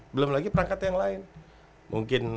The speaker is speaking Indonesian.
belum lagi perangkat yang lain mungkin